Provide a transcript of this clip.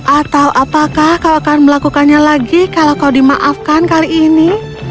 atau apakah kau akan melakukannya lagi kalau kau dimaafkan kali ini